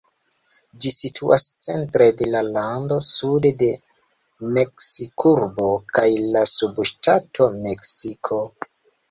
Ĝi situas centre de la lando, sude de Meksikurbo kaj la subŝtato Meksiko.